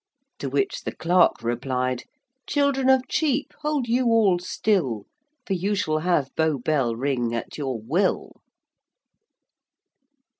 To which the clerk replied: 'Children of Chepe, hold you all stille: For you shall have Bow Bell ring at your will.'